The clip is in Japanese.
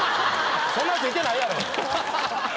そんなヤツいてないやろ。